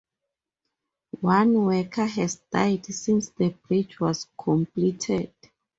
One worker has died since the bridge was completed.